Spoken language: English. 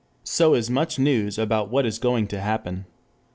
So is much news about what is going to happen.